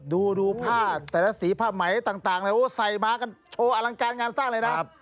ดูผ้าแต่ละสีผ้าไหมต่างใส่มากันโชว์อลังการงานสร้างเลยนะ